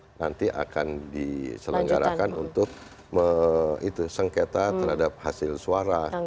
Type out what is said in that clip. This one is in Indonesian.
hal hal yang nanti akan diselenggarakan untuk sengketa terhadap hasil suara